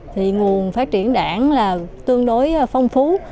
thì nguồn phát triển đảng là tương đối phong phú